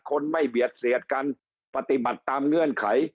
คนไม่เบียดเสียดกันปฏิบัติตามเงื่อนไข